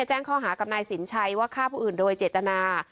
แจ้งข้อหากับนายสินชัยว่าฆ่าผู้อื่นโดยเจตนา